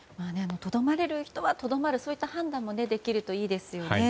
とどまれる人はとどまるといった判断もできるといいですよね。